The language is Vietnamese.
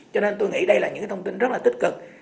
thì đây là những thông tin rất là tích cực